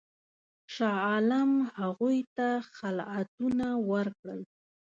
شاه عالم هغوی ته خلعتونه ورکړل.